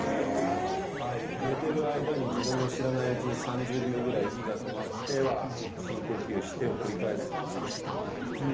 寝てる間に自分の知らないうちに３０秒ぐらい息が止まっては深呼吸してを繰り返してしまう病気ですね。